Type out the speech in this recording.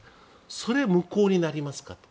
それは無効になりますかと。